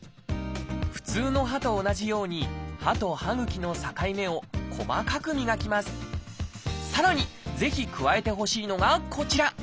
普通の歯と同じようにさらにぜひ加えてほしいのがこちら。